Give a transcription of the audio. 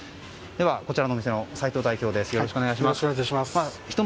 では、こちらの店の齋藤代表です。